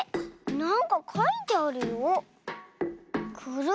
なんかかいてあるよ。